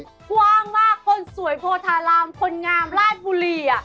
กว้างมากคนสวยโพธารามคนงามราชบุรี